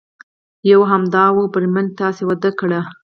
یې یو همدا و، بریدمنه تاسې واده کړی؟